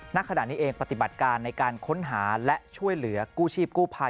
ณขณะนี้เองปฏิบัติการในการค้นหาและช่วยเหลือกู้ชีพกู้ภัย